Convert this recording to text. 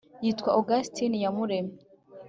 Yitwa Augustin iyamuremye